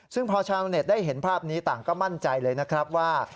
ซึ่งพอชาวเน็ตได้เห็นภาพนี้ต่างก็มั่นใจเลยนะครับว่า